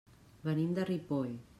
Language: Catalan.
Venim de Ripoll.